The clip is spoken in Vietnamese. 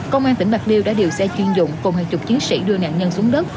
công an tỉnh bạc liêu đã điều xe chuyên dụng cùng hàng chục chiến sĩ đưa nạn nhân xuống đất